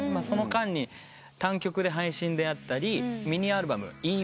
その間に単曲で配信であったりミニアルバム。